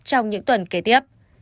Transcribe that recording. trong những tuần kế tiếp